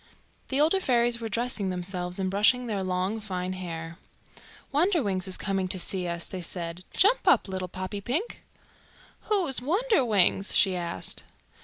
The older fairies were dressing themselves and brushing their long fine hair. "Wonderwings is coming to see us," they said. "Jump up, little Poppypink." "Who is Wonderwings?" she asked.